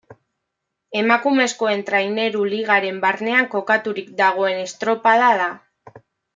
Emakumezkoen Traineru Ligaren barnean kokaturik dagoen estropada da.